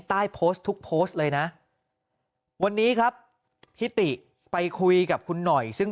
ใต้โพสต์ทุกโพสต์เลยนะวันนี้ครับพิติไปคุยกับคุณหน่อยซึ่ง